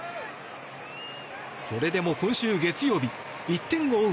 それでも今週月曜日１点を追う